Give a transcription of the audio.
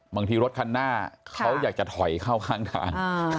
บางทีรถคันหน้าเขาอยากจะถอยเข้าข้างทาง